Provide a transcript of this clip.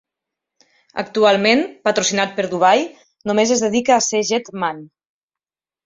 Actualment, patrocinat per Dubai, només es dedica a ser Jet Man.